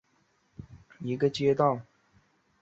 龙华街道是中国上海市徐汇区下辖的一个街道。